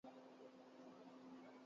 تو ریاست کا۔